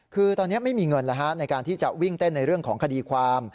คือตอนนี้ไม่มีเงินในการที่จะวิ่งเต้นในเรื่องของคดีความ